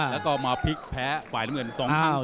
แล้วก็มาพลิกแพ้ไฟน้ำเงิน๒ครั้ง๒คราว